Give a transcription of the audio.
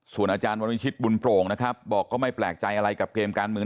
ส่วนอาจารย์วรวิชิตบุญโปร่งนะครับบอกก็ไม่แปลกใจอะไรกับเกมการเมือง